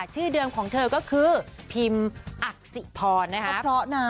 ชื่อเดิมของเธอก็คือพิมอักษิพรนะคะเพราะนะ